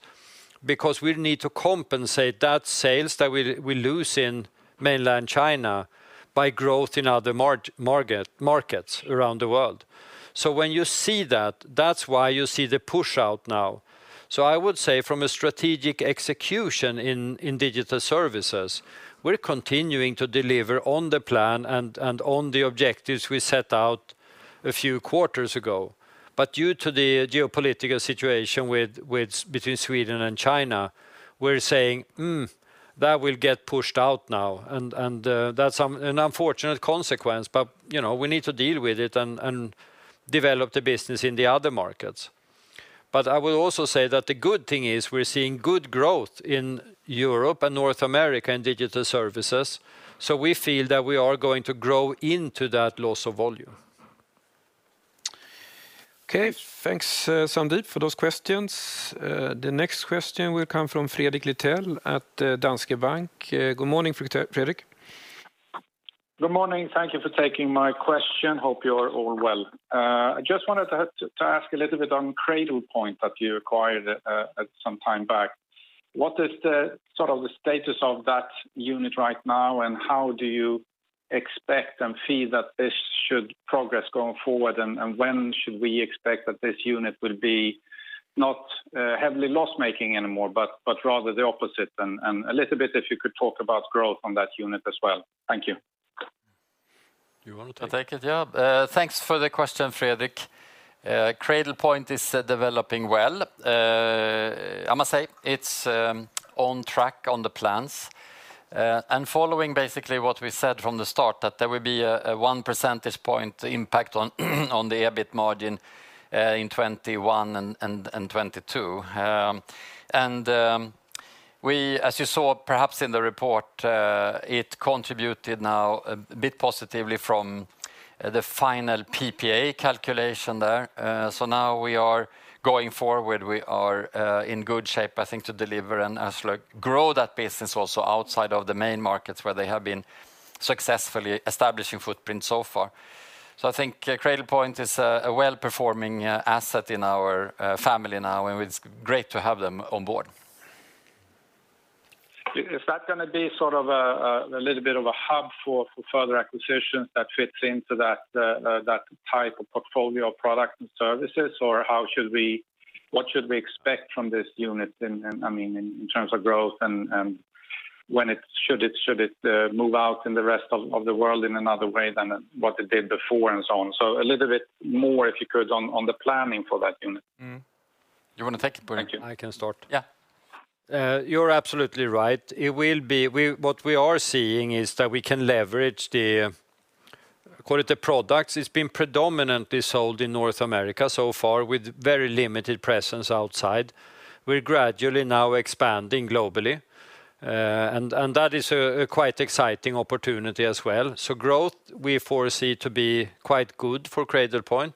We need to compensate for the sales we lose in mainland China by growth in other markets around the world. That's why you see the push out now. I would say, from a strategic execution standpoint in Digital Services, we're continuing to deliver on the plan and on the objectives we set out a few quarters ago. Due to the geopolitical situation between Sweden and China, we're saying that will get pushed out now, and that's an unfortunate consequence, but we need to deal with it and develop the business in the other markets. I will also say that the good thing is we're seeing good growth in Europe and North America in Digital Services. We feel that we are going to grow into that loss of volume. Okay. Thanks, Sandeep, for those questions. The next question will come from Fredrik Lithell at Danske Bank. Good morning, Fredrik. Good morning. Thank you for taking my question. I hope you're all well. I just wanted to ask a little bit about Cradlepoint, which you acquired some time back. What is the status of that unit right now, and how do you expect and feel that it should progress going forward? When should we expect that this unit will no longer be heavily loss-making, but rather the opposite? Could you also talk a little bit about growth in that unit? Thank you. Do you want to take it? I'll take it, yeah. Thanks for the question, Fredrik. Cradlepoint is developing well. I must say, it's on track with the plans, basically following what we said from the start: that there will be a 1 percentage point impact on the EBIT margin in 2021 and 2022. As you saw perhaps in the report, it contributed now a bit positively from the final PPA calculation there. Now we are going forward. We are in good shape, I think, to deliver and grow that business also outside of the main markets where they have been successfully establishing a footprint so far. I think Cradlepoint is a well-performing asset in our family now, and it's great to have them on board. Is that going to be a hub for further acquisitions that fit into that type of portfolio product and services? What should we expect from this unit in terms of growth, and should it move out into the rest of the world differently than it did before? A little more, if you could, on the planning for that unit. You want to take it, Börje? I can start. Yeah. You're absolutely right. What we are seeing is that we can leverage the products. It's been predominantly sold in North America so far, with very limited presence outside. That is quite an exciting opportunity as well. We foresee growth to be quite good for Cradlepoint.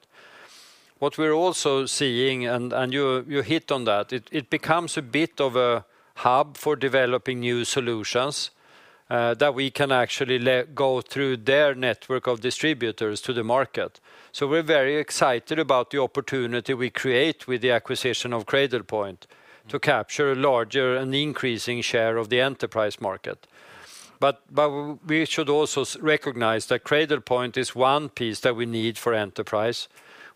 What we're also seeing, you hit on that, is that it becomes a bit of a hub for developing new solutions that we can actually market through their network of distributors. We're very excited about the opportunity we create with the acquisition of Cradlepoint to capture a larger and increasing share of the enterprise market. We should also recognize that Cradlepoint is one piece that we need for enterprise.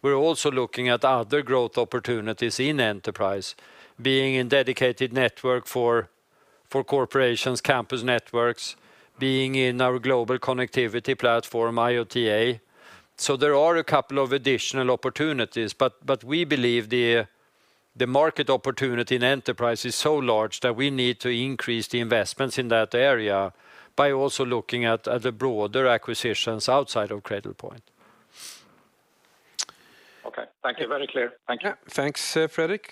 We're also looking at other growth opportunities in enterprise, including dedicated networks for corporations, campus networks, and our global connectivity platform, IOTA. There are a couple of additional opportunities. We believe the market opportunity in enterprise is so large that we need to increase our investments in that area by also looking at broader acquisitions outside of Cradlepoint. Okay. Thank you. Very clear. Thank you. Thanks, Fredrik.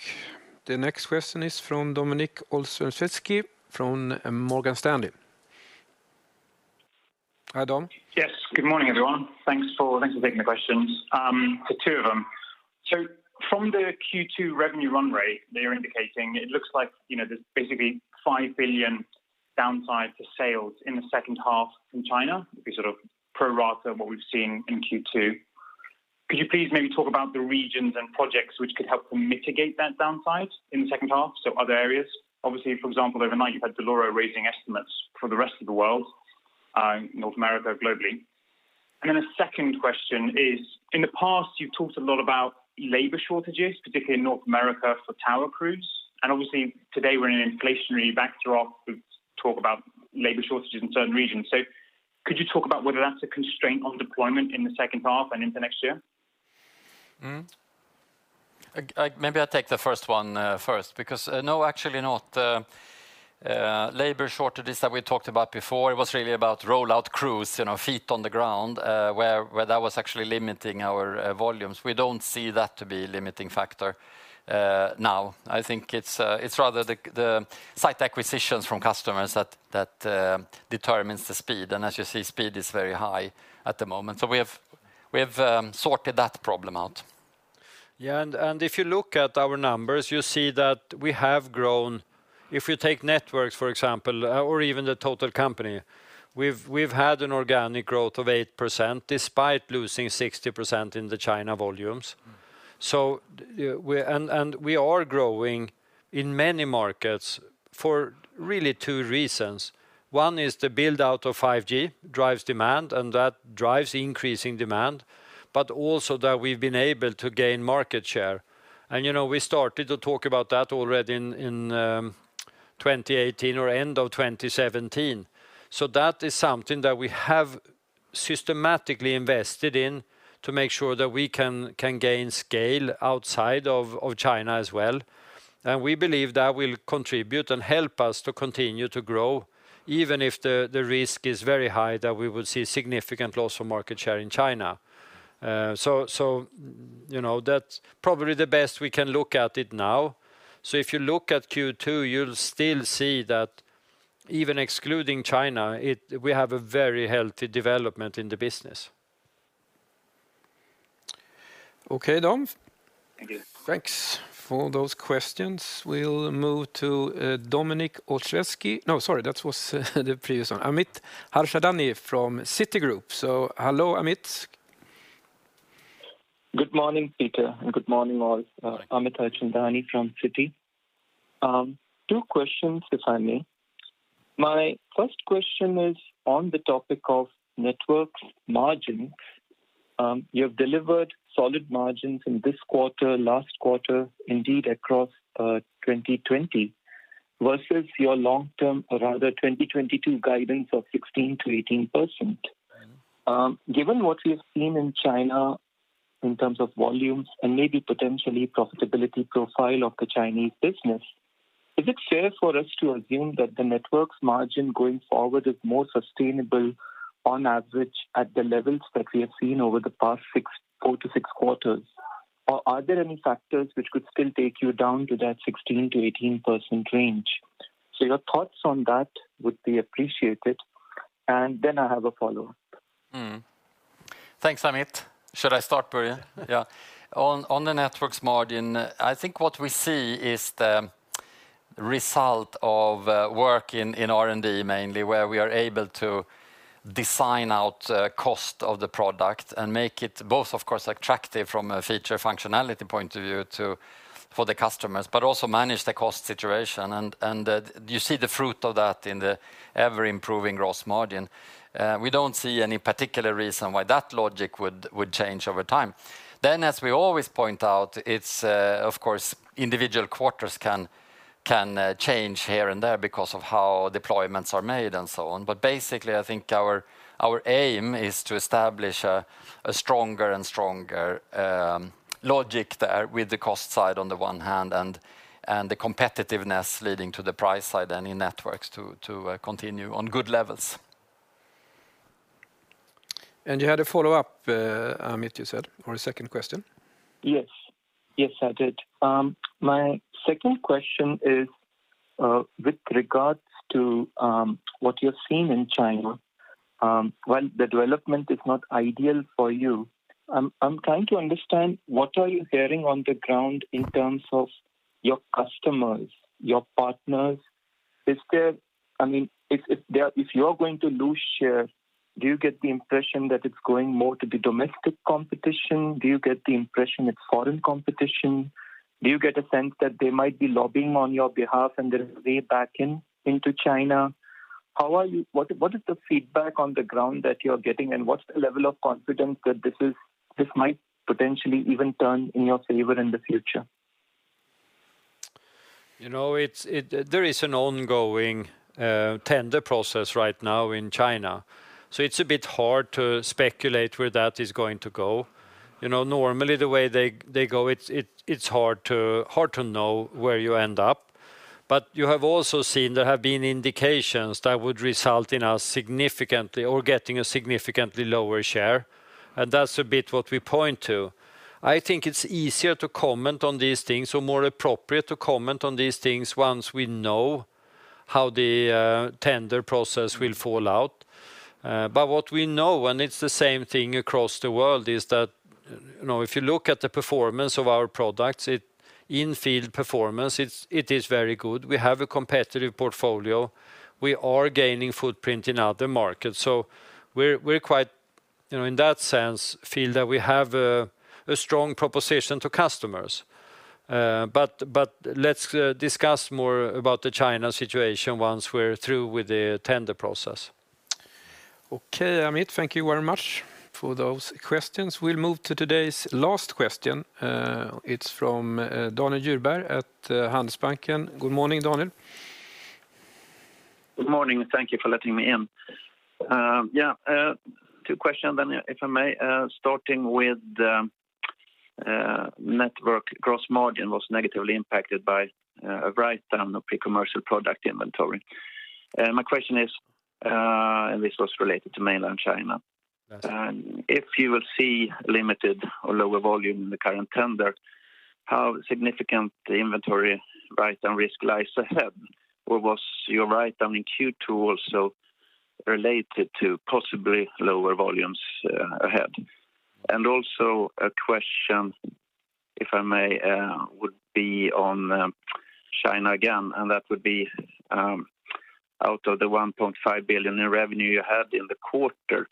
The next question is from Dominik Olszewski from Morgan Stanley. Hi, Dom. Yes. Good morning, everyone. Thanks for taking the questions. Two of them. From the Q2 revenue run rate that you're indicating, it looks like there's basically 5 billion downside to sales in the second half from China. It'd be sort of pro rata what we've seen in Q2. Could you please maybe talk about the regions and projects which could help mitigate that downside in the second half, so other areas? Obviously, for example, overnight, you've had Dell'Oro Group raising estimates for the rest of the world, North America, globally. A second question is, in the past, you've talked a lot about labor shortages, particularly in North America for tower crews. Obviously, today we're in an inflationary backdrop to talk about labor shortages in certain regions. Could you talk about whether that's a constraint on deployment in the second half and into next year? Maybe I'll take the first one first, because no, actually not. The labor shortages that we talked about before were really about rollout crews, feet on the ground, which was actually limiting our volumes. We don't see that as a limiting factor now. I think it's rather the site acquisitions from customers that determine the speed. As you see, speed is very high at the moment. We have sorted that problem out. If you look at our numbers, you see that we have grown. If you take Networks, for example, or even the total company, we've had an organic growth of 8%, despite losing 60% in China volumes. We are growing in many markets for really two reasons. One is the build-out of 5G drives demand, and that drives increasing demand, but also that we've been able to gain market share. We started to talk about that already in 2018 or end of 2017. That is something that we have systematically invested in to make sure that we can gain scale outside of China as well. We believe that will contribute and help us to continue to grow, even if the risk is very high that we will see significant loss of market share in China. That's probably the best we can look at it now. If you look at Q2, you'll still see that even excluding China, we have a very healthy development in the business. Okay, Dom. Thank you. Thanks for those questions. We'll move to Dominik Olszewski. No, sorry, that was the previous one. Amit Harchandani from Citigroup. Hello, Amit. Good morning, Peter, and good morning all. Amit Harchandani from Citi. Two questions, if I may. My first question is on the topic of Networks margin. You have delivered solid margins this quarter, last quarter, indeed across 2020, versus your long-term, or rather 2022, guidance of 16%-18%. Given what we've seen in China in terms of volumes and maybe potentially profitability profile of the Chinese business, is it fair for us to assume that the Networks margin going forward is more sustainable on average at the levels that we have seen over the past 4-6 quarters? Or are there any factors which could still take you down to that 16%-18% range? Your thoughts on that would be appreciated. I have a follow-up. Thanks, Amit. Should I start, Börje? Yeah. On the Networks margin, I think what we see is the result of work in R&D mainly, where we are able to design out the cost of the product and make it both, of course, attractive from a feature functionality point of view for the customers, but also manage the cost situation. You see the fruit of that in the ever-improving gross margin. We don't see any particular reason why that logic would change over time. As we always point out, of course, individual quarters can change here and there because of how deployments are made and so on. Basically, I think our aim is to establish a stronger and stronger logic there with the cost side on the one hand and the competitiveness leading to the price side and in Networks to continue on good levels. You had a follow-up, Amit, you said, or a second question? Yes, I did. My second question is, with regard to what you're seeing in China, while the development is not ideal for you, I'm trying to understand what you're hearing on the ground in terms of your customers and partners. If you're going to lose share, do you get the impression that it's going more to domestic competition? Do you get the impression it's foreign competition? Do you get a sense that they might be lobbying on your behalf and their way back into China? What is the feedback on the ground that you're getting, and what's the level of confidence that this might potentially even turn in your favor in the future? There is an ongoing tender process right now in China. It's a bit hard to speculate where that is going to go. Normally, the way they go, it's hard to know where you end up. You have also seen there have been indications that would result in us significantly or getting a significantly lower share, and that's a bit what we point to. I think it's easier to comment on these things or more appropriate to comment on these things once we know how the tender process will fall out. What we know, and it's the same thing across the world, is that if you look at the performance of our products, in field performance, it is very good. We have a competitive portfolio. We are gaining a footprint in other markets. We, in that sense, feel that we have a strong proposition to customers. Let's discuss more about the China situation once we're through with the tender process. Okay, Amit, thank you very much for those questions. We'll move to today's last question. It's from Daniel Djurberg at Handelsbanken. Good morning, Daniel. Good morning, and thank you for letting me in. I have two questions, if I may. Starting with the network gross margin, it was negatively impacted by a write-down of pre-commercial product inventory. My question is, was this related to mainland China? Yes. If you see limited or lower volume in the current tender, how significant is the inventory write-down risk, or was your write-down in Q2 also related to possibly lower volumes ahead? Also, if I may, a question on China again: out of the $1.5 billion in revenue you had in the quarter,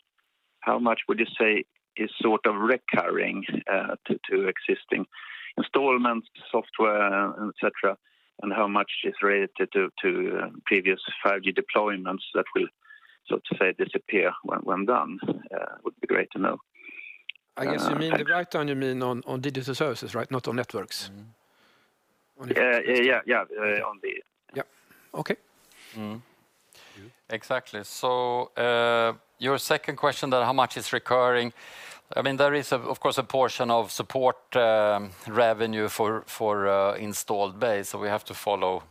how much would you say is recurring to existing installments, software, et cetera, and how much is related to previous 5G deployments that will, so to say, disappear when done? It would be great to know. I guess you mean the write-down, you mean on Digital Services, right? Not on Networks. Yeah. Yep. Okay. Exactly. Your second question there, how much is recurring? There is, of course, a portion of support revenue for the installed base. We have to follow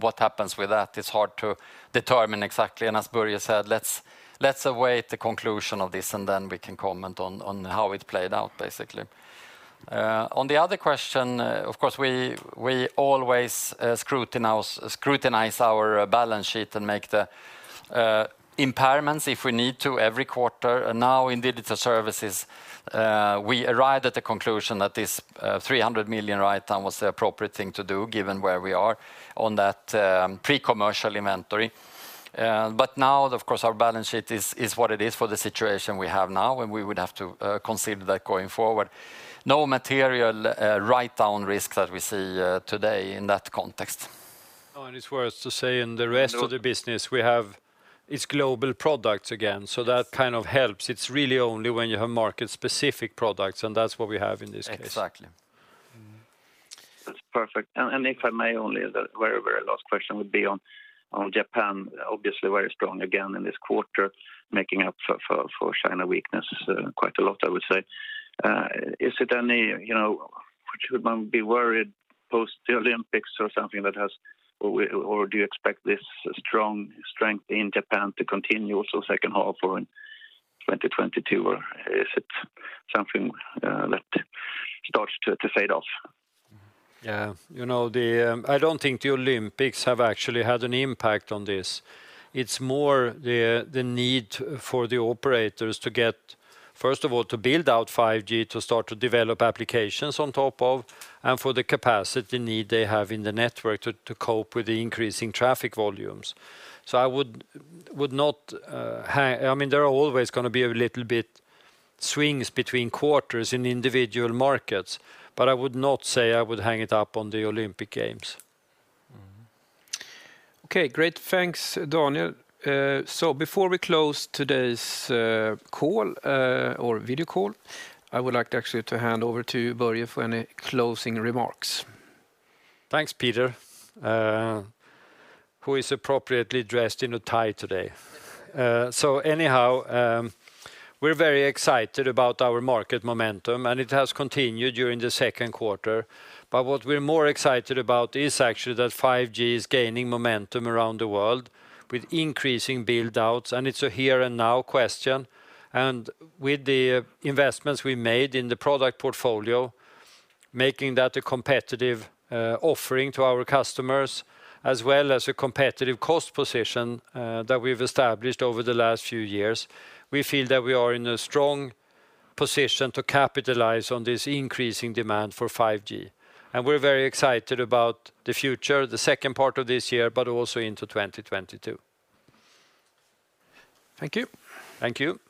what happens with that. It's hard to determine exactly. As Börje said, let's await the conclusion of this, and then we can comment on how it played out, basically. On the other question, of course, we always scrutinize our balance sheet and make impairments if we need to every quarter. Now, in Digital Services, we arrived at the conclusion that this $300 million write-down was the appropriate thing to do given where we are on that pre-commercial inventory. Now, of course, our balance sheet is what it is for the situation we have now, and we would have to consider that going forward. No material write-down risk that we see today in that context. It's worth saying that for the rest of the business, it's global products again, so that kind of helps. It's really only when you have market-specific products, and that's what we have in this case. Exactly. That's perfect. If I may, only the very last question would be about Japan. Obviously very strong again this quarter, making up for China's weakness quite a lot, I would say. Should one be worried post-Olympics or something, or do you expect this strength in Japan to continue into the second half or in 2022? Is it something that starts to fade? Yeah. I don't think the Olympics have actually had an impact on this. It's more the need for the operators, first of all, to build out 5G to start to develop applications on top of, and for the capacity need they have in the network to cope with the increasing traffic volumes. There are always going to be a few swings between quarters in individual markets, but I would not say I would hang it up on the Olympic Games. Okay, great. Thanks, Daniel. Before we close today's call or video call, I would like to actually hand over to Börje for any closing remarks. Thanks, Peter, who is appropriately dressed in a tie today. Anyway, we're very excited about our market momentum, and it has continued during the second quarter. What we're more excited about is actually that 5G is gaining momentum around the world with increasing build-outs, and it's a here-and-now question. With the investments we made in the product portfolio, making that a competitive offering to our customers, as well as a competitive cost position that we've established over the last few years, we feel that we are in a strong position to capitalize on this increasing demand for 5G. We're very excited about the future, the second part of this year, but also into 2022. Thank you. Thank you.